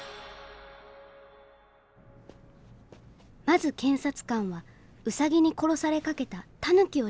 まず検察官はウサギに殺されかけたタヌキを証人に呼んだ。